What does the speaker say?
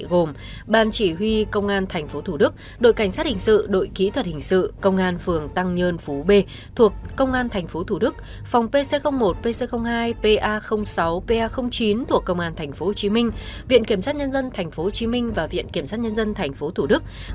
gồm bàn chỉ huy công an tp hcm đội cảnh sát hình sự đội kỹ thuật hình sự công an phường tăng nhơn phố b thuộc công an tp hcm phòng pc một pc hai pa sáu pa chín thuộc công an tp hcm viện kiểm sát nhân dân tp hcm và viện kiểm sát nhân dân tp hcm